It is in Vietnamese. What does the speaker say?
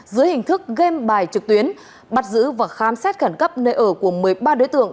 dưới hình thức game bài trực tuyến bắt giữ và khám xét khẩn cấp nơi ở của một mươi ba đối tượng